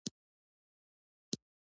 د کارونو لپاره پلان لرل بریا ته لار ده.